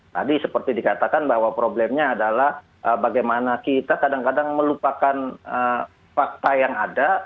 tadi seperti dikatakan bahwa problemnya adalah bagaimana kita kadang kadang melupakan fakta yang ada